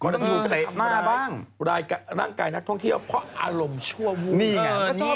ก็ต้องอยู่กับร่างกายนักท่องเที่ยวเพราะอารมณ์ชั่ววูบ